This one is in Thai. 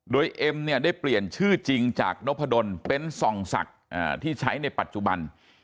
โดยเอ็มเนี่ยได้เปลี่ยนชื่อจริงจากนพดลเป็นส่องศักดิ์ที่ใช้ในปัจจุบัน